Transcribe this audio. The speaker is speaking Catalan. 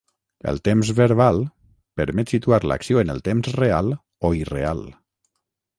El temps verbal permet situar l'acció en el temps real o irreal.